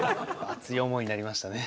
熱い思いになりましたね。